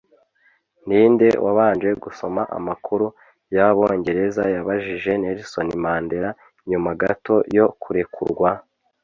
Ninde Wabanje Gusoma Amakuru Yabongereza Yabajije Nelson Mandela Nyuma gato yo Kurekurwa?